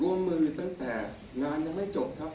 ร่วมมือตั้งแต่งานยังไม่จบครับ